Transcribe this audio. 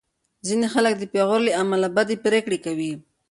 ځینې خلک د پېغور له امله بدې پرېکړې کوي.